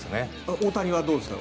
大谷はどうですか？